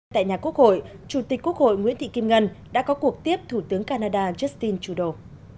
tại nhà quốc hội chủ tịch quốc hội nguyễn thị kim ngân đã có cuộc tiếp thủ tướng canada justin trudeau